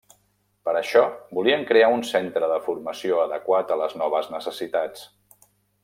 Per això volien crear un centre de formació adequat a les noves necessitats.